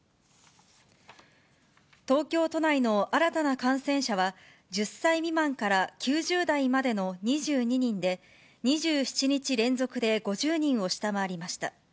東京都内の新たな感染者は、１０歳未満から９０代までの２２人で、２７日連続で５０人を下回りました。